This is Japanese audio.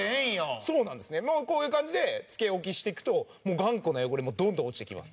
こういう感じでつけ置きしてくと頑固な汚れもどんどん落ちていきます。